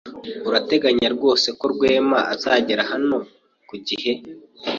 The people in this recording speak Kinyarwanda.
Urateganya rwose ko Rwema azagera hano ku gihe?